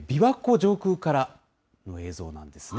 上空からの映像なんですね。